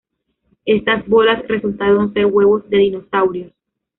Estas "bolas" resultaron ser huevos de dinosaurios.